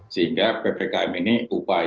sehingga ppkm ini upaya dalam rangka membatasi mobilitas